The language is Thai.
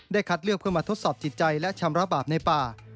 คัดเลือกเพื่อมาทดสอบจิตใจและชำระบาปในป่า